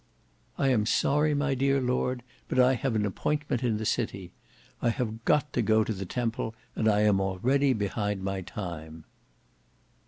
"I am sorry, my dear Lord, but I have an appointment in the city. I have got to go to the Temple, and I am already behind my time."